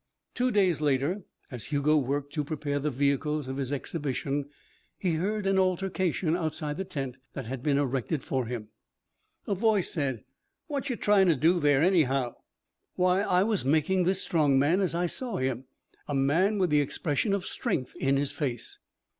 Two days later, as Hugo worked to prepare the vehicles of his exhibition, he heard an altercation outside the tent that had been erected for him. A voice said: "Whatcha tryin' to do there, anyhow?" "Why, I was making this strong man as I saw him. A man with the expression of strength in his face."